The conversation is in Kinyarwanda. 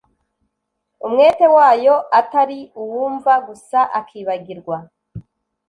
Umwete wayo atari uwumva gusa akibagirwa